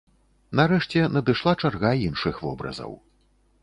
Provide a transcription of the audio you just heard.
Нарэшце надышла чарга іншых вобразаў.